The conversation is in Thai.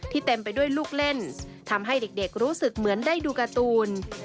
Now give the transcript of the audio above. เต็มไปด้วยลูกเล่นทำให้เด็กรู้สึกเหมือนได้ดูการ์ตูน